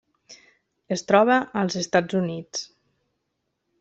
Es troba als Estats Units.